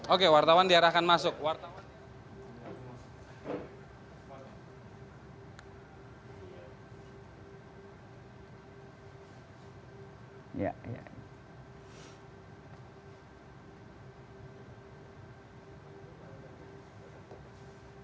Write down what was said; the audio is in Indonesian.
oke wartawan diarahkan masuk